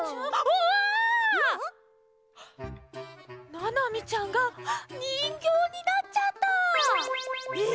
ななみちゃんがにんぎょうになっちゃった！え！？